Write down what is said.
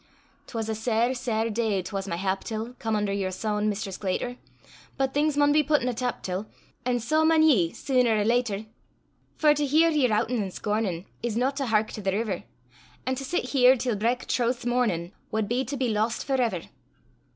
'Twas a sair sair day 'twas my hap till Come under yer soon', Mr. Sclater; But things maun he putten a stap till, An' sae maun ye, seener or later! For to hear ye rowtin' an' scornin', Is no to hark to the river; An' to sit here till brak trowth's mornin', Wad be to be lost for ever.